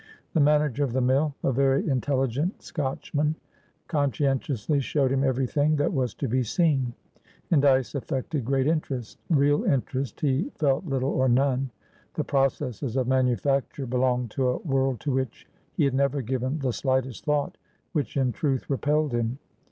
The manager of the mill, a very intelligent Scotchman, conscientiously showed him everything that was to be seen, and Dyce affected great interest. Real interest he felt little or none; the processes of manufacture belonged to a world to which he had never given the slightest thought, which in truth repelled him.